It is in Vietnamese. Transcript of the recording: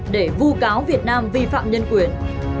để vù cáo việt nam vi phạm nhân quyền